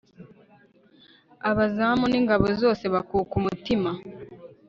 abazamu n'ingabo zose bakuka umutima